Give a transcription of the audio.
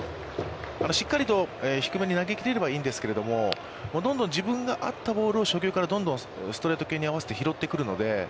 しっかりと低めに投げきれればいいんですけども、どんどん自分が合ったボールを初球からどんどんストレート系に合わせて拾ってくるので。